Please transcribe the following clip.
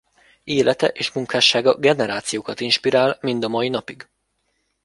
Élete és munkássága generációkat inspirál mind a mai napig.